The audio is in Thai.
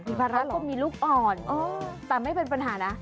มีภาระก็มีลูกอ่อนแต่ไม่เป็นปัญหานะ